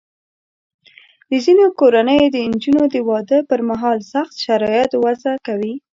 د ځینو کورنیو د نجونو د واده پر مهال سخت شرایط وضع کوي.